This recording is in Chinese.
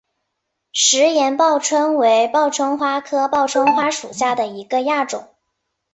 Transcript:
石岩报春为报春花科报春花属下的一个亚种。